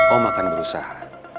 om akan berusaha